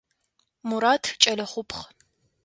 Мурат кӏэлэ хъупхъ.